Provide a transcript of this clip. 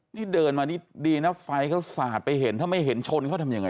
นี่เดินมานี่ดีนะไฟเขาสาดไปเห็นถ้าไม่เห็นชนเขาทำยังไง